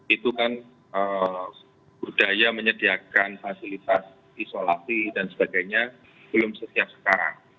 itu kan budaya menyediakan fasilitas isolasi dan sebagainya belum setiap sekarang